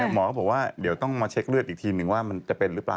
หมอก็บอกว่าเดี๋ยวต้องมาเช็คเลือดอีกทีนึงว่ามันจะเป็นหรือเปล่า